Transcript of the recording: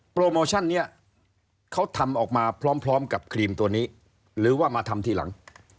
โปรโมชั่นนี้เขาทำออกมาพร้อมกับครีมตัวนี้หรือว่ามาทำทีหลัง